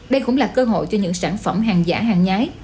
đây cũng là cơ hội cho những sản phẩm hàng giả hàng nhái